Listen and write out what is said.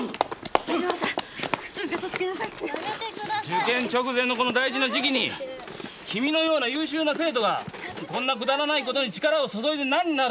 受験直前のこの大事な時期に君のような優秀な生徒がこんなくだらない事に力を注いで何になる！？